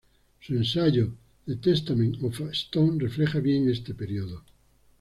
Su ensayo "The Testament of a Stone" refleja bien este periodo.